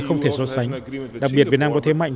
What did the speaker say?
không thể so sánh đặc biệt việt nam có thế mạnh